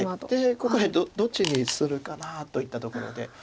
ここでどっちにするかなといったところで。